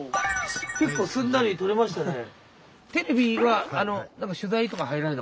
結構すんなり取れましたね。